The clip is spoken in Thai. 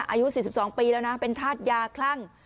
อายุ๔๒ปีเป็นทาศยาคลั่ง